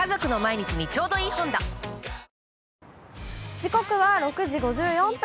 時刻は６時５４分。